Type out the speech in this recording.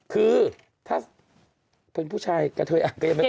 คือถ้าเป็นผู้ชายกระเทยก็ยังไม่เคย